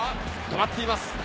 止まっています。